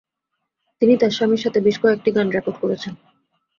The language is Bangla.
তিনি তার স্বামীর সাথে বেশ কয়েকটি গান রেকর্ড করেছেন।